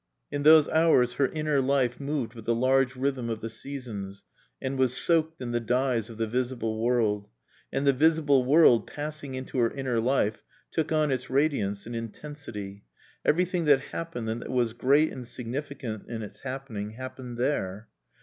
In those hours her inner life moved with the large rhythm of the seasons and was soaked in the dyes of the visible world; and the visible world, passing into her inner life, took on its radiance and intensity. Everything that happened and that was great and significant in its happening, happened there.